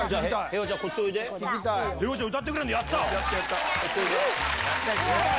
平和ちゃん歌ってくれるの⁉やった！